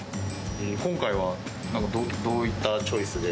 今回はどういったチョイスで？